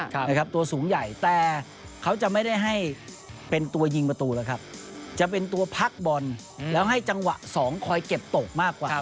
นะครับตัวสูงใหญ่แต่เขาจะไม่ได้ให้เป็นตัวยิงประตูแล้วครับจะเป็นตัวพักบอลแล้วให้จังหวะสองคอยเก็บตกมากกว่า